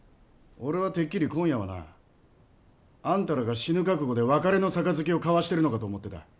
俺はてっきり今夜はなあんたらが死ぬ覚悟で別れの杯を交わしてるのかと思ってた。